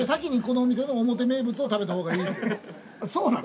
そうなの？